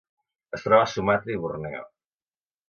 Es troba a Sumatra i Borneo.